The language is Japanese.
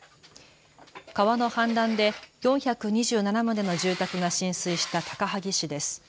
川の氾濫で４２７棟の住宅が浸水した高萩市です。